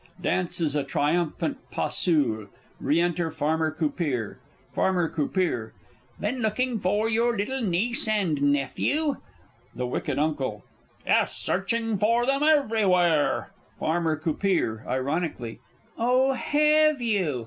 [Dances a triumphant pas seul. Re enter Farmer C. Farmer C. Been looking for your little niece and nephew? The W. U. Yes, searching for them everywhere Farmer C. (ironically). Oh, hev' you?